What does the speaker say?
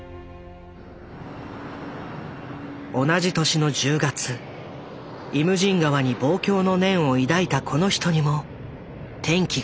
同じ年の１０月「イムジン河」に望郷の念を抱いたこの人にも転機が。